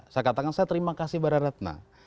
saya katakan saya terima kasih pada ratna